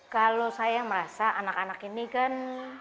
kalau saya merasa anak anak ini kan